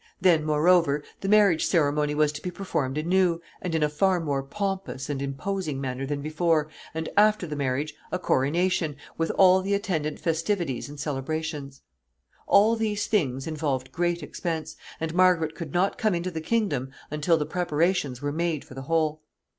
Then, moreover, the marriage ceremony was to be performed anew, and in a far more pompous and imposing manner than before, and after the marriage a coronation, with all the attendant festivities and celebrations. All these things involved great expense, and Margaret could not come into the kingdom until the preparations were made for the whole.